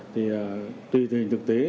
thì tùy từ hình thực tế